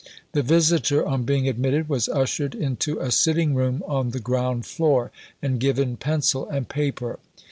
The visitor on being admitted was ushered into a sitting room on the ground floor, and given pencil and paper.